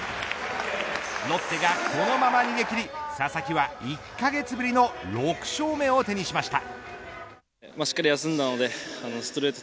ロッテがこのまま逃げ切り佐々木は１カ月ぶりの６勝目を手にしました。